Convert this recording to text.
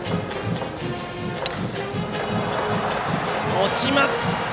落ちます！